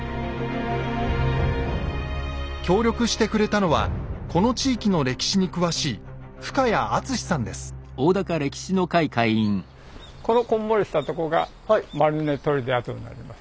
協力してくれたのはこの地域の歴史に詳しいこのこんもりしたとこが丸根砦跡になります。